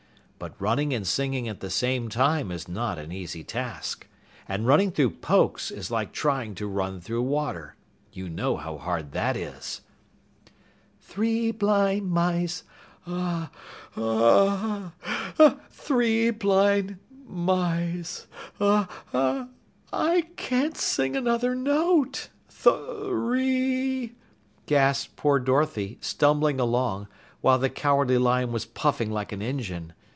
But running and singing at the same time is not an easy task. And running through Pokes is like trying to run through water. (You know how hard that is?) "Three Blind Mice uh hah Three Blind Mice uh hah I can't sing another note! Thu ree !" gasped poor Dorothy, stumbling along, while the Cowardly Lion was puffing like an engine.